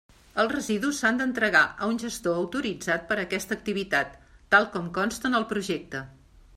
Els residus s'han d'entregar a un gestor autoritzat per a aquesta activitat, tal com consta en el projecte.